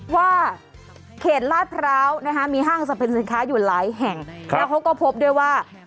ว่าเขตลาดพร้าวนะฮะมีห้างสรรพสินค้าอยู่หลายแห่งแล้วเขาก็พบด้วยว่า